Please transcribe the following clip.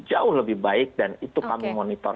jauh lebih baik dan itu kami monitor